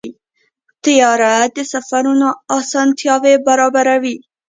طیاره د سفرونو اسانتیا برابروي.